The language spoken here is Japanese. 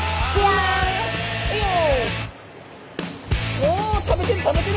おお食べてる食べてる！